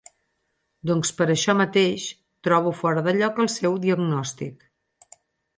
Doncs per això mateix, trobo fora de lloc el seu diagnòstic.